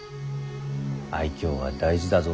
愛嬌は大事だぞ